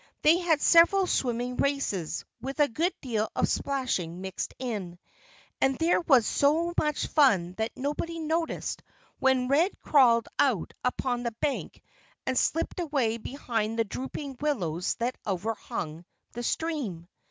They had several swimming races, with a good deal of splashing mixed in. And there was so much fun that nobody noticed when Red crawled out upon the bank and slipped away behind the drooping willows that overhung the stream.